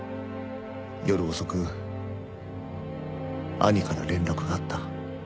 夜遅く兄から連絡があった。